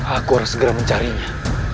aku harus segera mencarinya